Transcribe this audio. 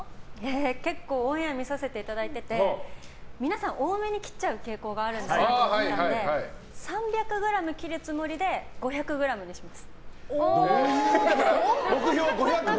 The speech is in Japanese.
結構オンエア見させていただいてて皆さん、多めに切っちゃう傾向があると思ったので３００ｇ切るつもりで５００ｇにします。